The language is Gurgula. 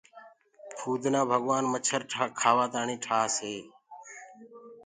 ڀمڀڻيو ڀگوآن مڇر کآوآ تآڻي ٺآس هي۔